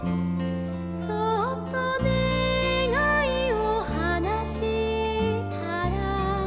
「そっとねがいをはなしたら」